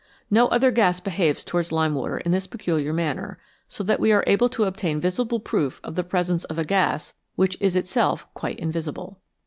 No other gas behaves towards lime water in this peculiar manner, so that we are able to obtain visible proof of the presence of a gas which is itself quite invisible.